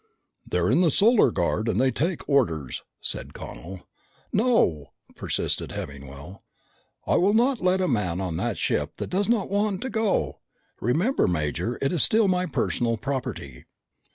"They're in the Solar Guard and they take orders," said Connel. "No," persisted Hemmingwell. "I will not let a man on that ship that does not want to go. Remember, Major, it is still my personal property."